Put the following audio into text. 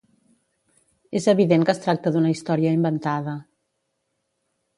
És evident que es tracta d'una història inventada.